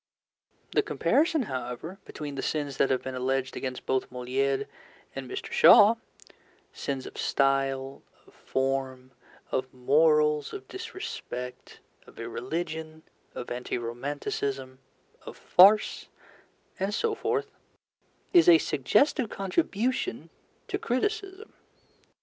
The comparison, however, between the sins that have been alleged against both Molière and Mr. Shaw sins of style, of form, of morals, of disrespect, of irreligion, of anti romanticism, of farce, and so forth is a suggestive contribution to criticism.